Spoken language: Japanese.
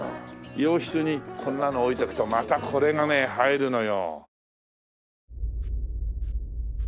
洋室にこんなの置いとくとまたこれがね映えるのよ。